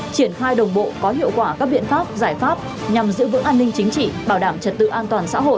triển khai đồng bộ có hiệu quả các biện pháp giải pháp nhằm giữ vững an ninh chính trị bảo đảm trật tự an toàn xã hội